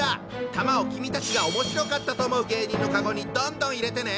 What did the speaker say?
玉を君たちがおもしろかったと思う芸人のカゴにどんどん入れてね！